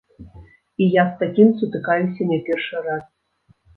І я з такім сутыкаюся не першы раз.